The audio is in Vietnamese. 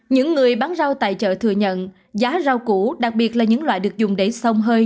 những người bán rau tại chợ thừa nhận giá rau củ đặc biệt là những loại được dùng để sông hơi